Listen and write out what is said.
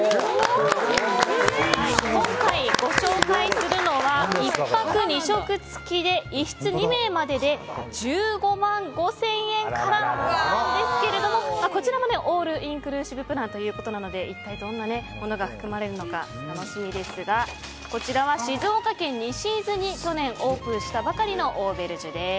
今回、ご紹介するのは１泊２食付、１室２名までで１５万５０００円からなんですけれどもこちらもオールインクルーシブプランということなので一体どんなものが含まれるのか楽しみですがこちらは静岡県西伊豆に去年オープンしたばかりのオーベルジュです。